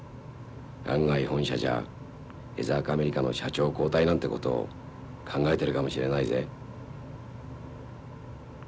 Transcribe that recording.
案外本社じゃ江坂アメリカの社長交代なんてことを考えてるかもしれないぜ。